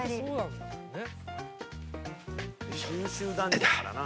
九州男児やからな。